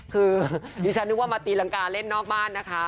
คือดิฉันนึกว่ามาตีรังกาเล่นนอกบ้านนะคะ